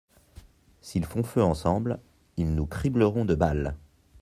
S'ils font feu ensemble, ils nous cribleront de balles.